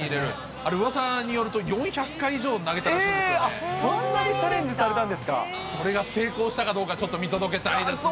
あれ、うわさによると、４００回そんなにチャレンジされたんそれが成功したかどうか、ちょっと見届けたいですね。